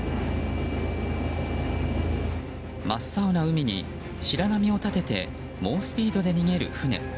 真っ青な海に白波を立てて猛スピードで逃げる船。